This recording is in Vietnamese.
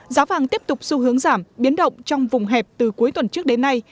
giá vàng tiếp tục xu hướng giảm biến động trong vùng hẹp từ cuối tuần trước đến nay